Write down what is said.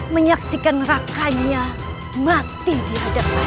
menyaksikan rakanya mati di hadapan